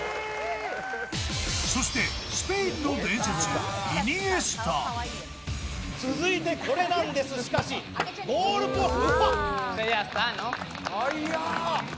そしてスペインの伝説、イニエスタ続いてこれなんです、しかしゴールポスト